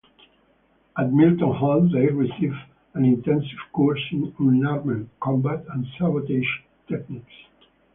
At Milton Hall they received an intensive course in unarmed combat and sabotage techniques.